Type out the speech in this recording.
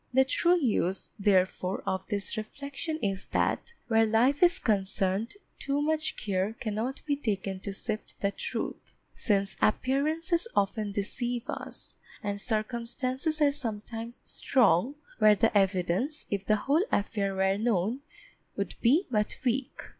The true use, therefore, of this reflection is that where life is concerned, too much care cannot be taken to sift the truth, since appearances often deceive us and circumstances are sometimes strong where the evidence, if the whole affair were known, would be but weak.